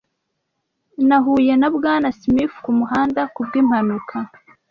Nahuye na Bwana Smith kumuhanda kubwimpanuka.